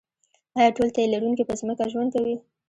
ایا ټول تی لرونکي په ځمکه ژوند کوي